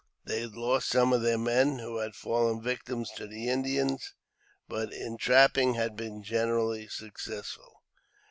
They had lost some of their men, who had fallen victims to the Indians, but in trapping had been generally successful.